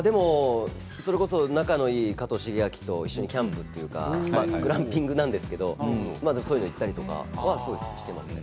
それこそ仲のいい加藤シゲアキと一緒にキャンプとかグランピングなんですけれどもそういうのに行ったりとかはしてますね。